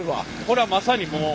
これはまさにもう。